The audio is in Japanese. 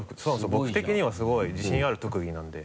僕的にはすごい自信ある特技なんで。